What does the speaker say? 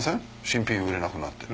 新品売れなくなって。